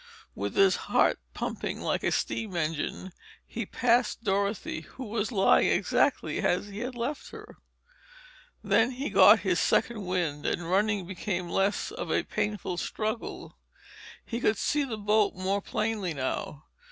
With his heart pumping like a steam engine, he passed Dorothy, who was lying exactly as he had left her. Then he got his second wind and running became less of a painful struggle. He could see the boat more plainly now.